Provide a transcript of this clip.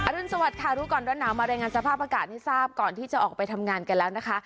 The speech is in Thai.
รุนสวัสดิ์รู้ก่อนร้อนหนาวมารายงานสภาพอากาศให้ทราบก่อนที่จะออกไปทำงานกันแล้วนะคะ